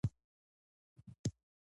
ټیم بدیلونه وڅېړل.